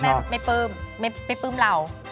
ถ้าพ่อแม่ไม่ปื้นเรา